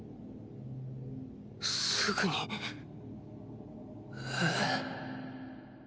すぐにえ？